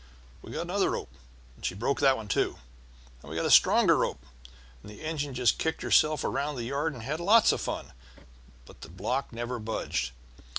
We got another rope, and she broke that too. Then we got a stronger rope, and the engine just kicked herself around the yard and had lots of fun, but the block never budged.